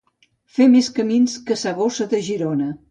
Fer més camins que sa gossa de Girona.